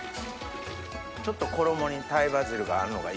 ちょっと衣にタイバジルがあるのがいいですね。